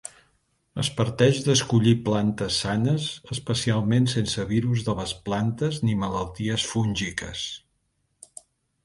Es parteix d’escollir plantes sanes especialment sense virus de les plantes ni malalties fúngiques.